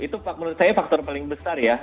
itu menurut saya faktor paling besar ya